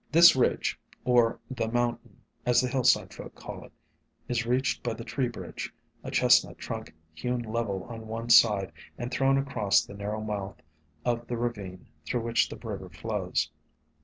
This ridge, or "the mountain," as the hillside folk call it, is reached by the Tree bridge, a Chestnut trunk hewn level on one side and thrown across the narrow mouth of the ravine through which the river flows.